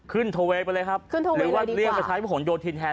ขึ้นโทเวไปเลยครับขึ้นโทเวเลยดีกว่าหรือว่าเรียกว่าใช้ผลโยนทีนแทน